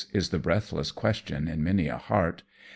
" is the breathless question ia many a heart.